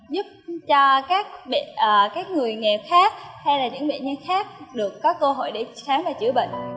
giúp cho các người nghèo khác hay là những bệnh nhân khác được có cơ hội để khám và chữa bệnh